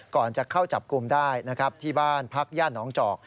ก่อนจะเข้าจับกลุ่มได้นะครับที่บ้านพักย่านน้องจอก